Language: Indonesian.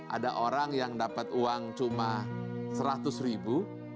ada orang yang dapat uang cuma seratus ribu